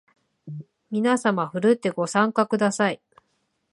みなさまふるってご参加ください